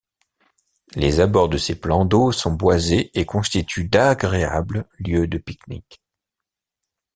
Les abords de ces plans d'eau sont boisés et constituent d'agréables lieux de pique-nique.